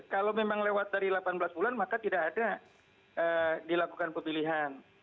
kalau memang lewat dari delapan belas bulan maka tidak ada dilakukan pemilihan